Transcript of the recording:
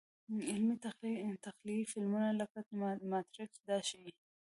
علمي – تخیلي فلمونه لکه ماتریکس دا ښيي.